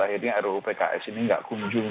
akhirnya ruu pks ini nggak kunjung